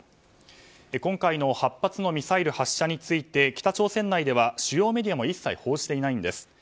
今回の８発のミサイル発射について北朝鮮内では主要メディアも一切報じていないんです。